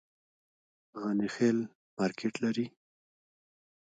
غني خیل مارکیټ لري؟